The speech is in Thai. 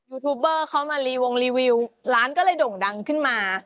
ทูบเบอร์เขามารีวงรีวิวร้านก็เลยด่งดังขึ้นมา